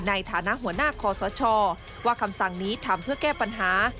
ในฐานะหัวหน้าคอสชว่าคำสั่งนี้ทำเพื่อแก้ปัญหา